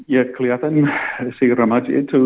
ya kelihatan si remaja itu